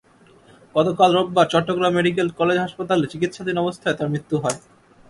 গতকাল রোববার Chittagong medical college হাসপাতালে চিকিৎসাধীন অবস্থায় তাঁর মৃত্যু হয়।